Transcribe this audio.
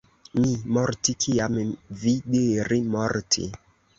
Mi morti, kiam vi diri morti.